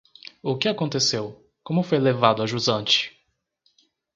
O que aconteceu, como foi levado a jusante?